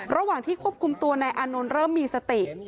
ระหว่างที่ควบคุมตัวนายอานนท์เริ่มมีสติ